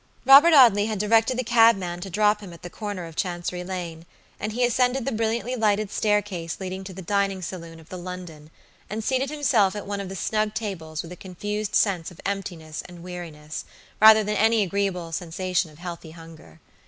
Robert Audley had directed the cabman to drop him at the corner of Chancery Lane, and he ascended the brilliantly lighted staircase leading to the dining saloon of The London, and seated himself at one of the snug tables with a confused sense of emptiness and weariness, rather than any agreeable sensation of healthy hunger.